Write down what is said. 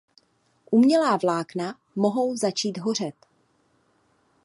Umělá vlákna mohou začít hořet.